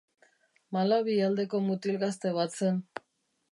Malawi aldeko mutil gazte bat zen.